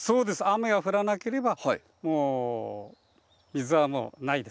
雨が降らなければ水はもうないです。